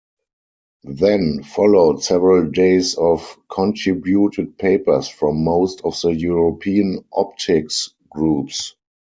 Then followed several days of contributed papers from most of the European optics groups.